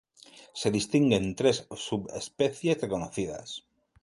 Se distinguen tres subespecies reconocidas.